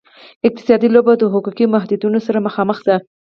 اقتصادي لوبه د حقوقي محدودیتونو سره مخامخ ده.